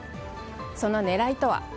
その狙いとは？